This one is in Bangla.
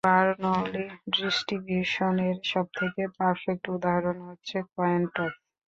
বারনৌলি ডিস্ট্রিবিউশন এর সবথেকে পারফেক্ট উদাহরন হচ্ছে কয়েন টস।